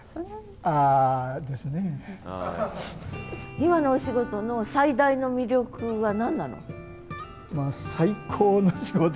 今のお仕事の最大の魅力は何なの？